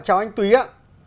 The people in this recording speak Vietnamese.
chào anh túy ạ